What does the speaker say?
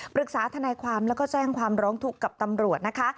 ทนายความแล้วก็แจ้งความร้องทุกข์กับตำรวจนะคะ